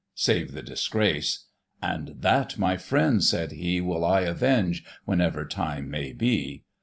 Save the disgrace; "and that, my friends," said he, "Will I avenge, whenever time may be."